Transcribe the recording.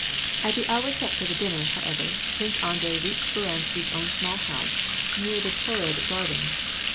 At the hour set for the dinner, however. Prince Andrei reached Speransky's own small house, near the Taurid Gar dens.